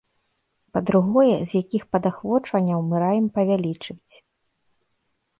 Па-другое, з якіх падахвочванняў мы раім павялічыць.